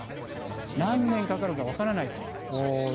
何年かかるか分からないと。